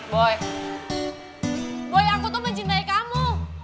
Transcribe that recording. boy aku tuh mencintai kamu